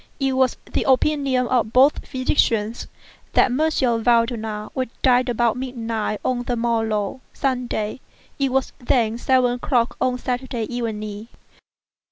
It was the opinion of both physicians that M. Valdemar would die about midnight on the morrow (Sunday). It was then seven o'clock on Saturday evening.